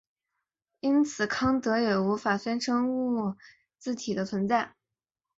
因此康德也无法宣称物自体的存在。